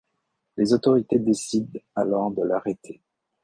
Les autorités décident alors de l'arrêter.